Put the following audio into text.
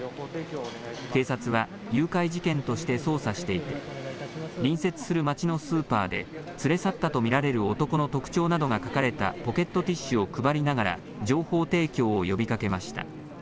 警察は誘拐事件として捜査していて隣接する町のスーパーで連れ去ったと見られる男の特徴などが書かれたポケットティッシュを配りながら情報提供を呼びかけました。